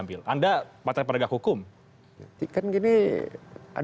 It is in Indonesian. mati pedagang hukum ikan gini ada badannya panwasloh ya kita serahkan aja ya nah saya diketahui keterangan